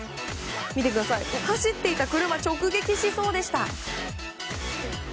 走っていた車を直撃しそうでした。